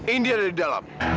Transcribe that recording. ini ada di dalam